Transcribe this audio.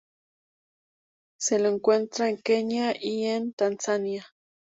Se lo encuentra en Kenya y Tanzania.